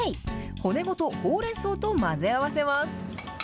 骨ごとほうれんそうと混ぜ合わせます。